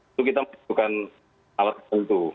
itu kita membutuhkan alat tentu